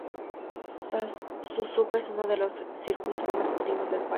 Suzuka es un uno de los circuitos más antiguos del país.